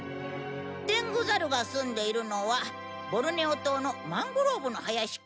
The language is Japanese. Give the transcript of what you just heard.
テングザルが住んでいるのはボルネオ島のマングローブの林か。